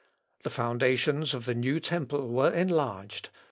The foundations of the new temple were enlarged.